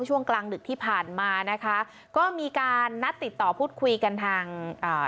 ช่วงกลางดึกที่ผ่านมานะคะก็มีการนัดติดต่อพูดคุยกันทางอ่า